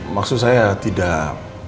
maksud saya tidak